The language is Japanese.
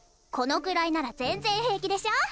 このぐらいなら全然平気でしょ？